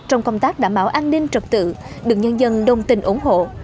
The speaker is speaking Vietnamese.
trong công tác đảm bảo an ninh trật tự được nhân dân đồng tình ủng hộ